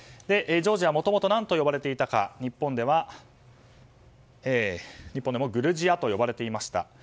ジョージアはもともと何て呼ばれていたか日本ではグルジアと呼ばれていました。